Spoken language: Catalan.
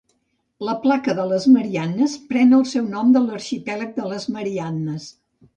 La placa de les Mariannes pren el seu nom de l'arxipèlag de les Mariannes.